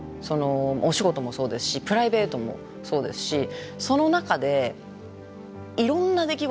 お仕事もそうですしプライベートもそうですしその中でいろんな出来事がある。